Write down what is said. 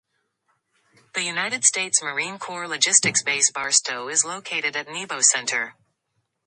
The United States Marine Corps Logistics Base Barstow is located at Nebo Center.